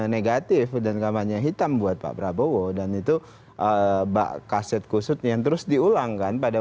negatif dan kamarnya hitam buat pak prabowo dan itu bak kaset kusut yang terus diulangkan pada